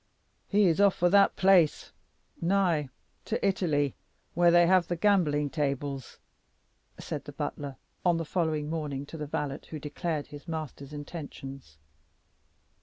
"He is off for that place nigh to Italy where they have the gambling tables," said the butler, on the following morning, to the valet who declared his master's intentions.